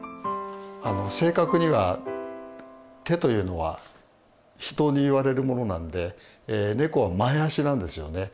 あの正確には手というのは人に言われるものなんでネコは前足なんですよね。